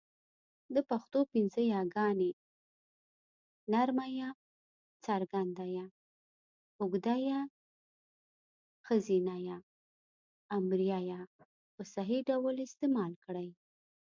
د پښتو پنځه یاګاني ی، ي، ې، ۍ، ئ په صحيح ډول استعمال کړئ!